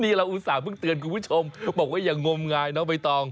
นี่เราอุตส่าหเพิ่งเตือนคุณผู้ชมบอกว่าอย่างงมงายน้องใบตอง